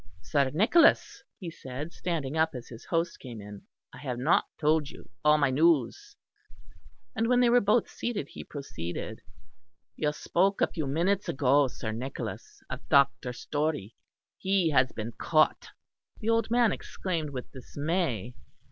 "Sir Nicholas," he said, standing up, as his host came in, "I have not told you all my news." And when they were both seated he proceeded: "You spoke a few minutes ago, Sir Nicholas, of Dr. Storey; he has been caught." The old man exclaimed with dismay.